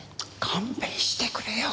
勘弁してくれよ。